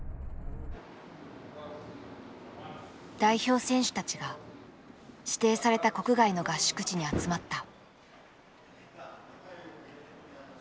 代表選手たちが指定された国外の合宿地に集まった。